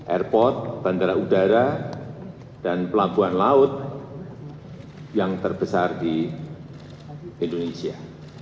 airport bandara udara dan pelabuhan laut yang terbesar di indonesia